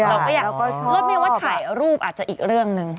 เราก็อยากรถไม่ว่าถ่ายรูปอาจจะอีกเรื่องหนึ่ง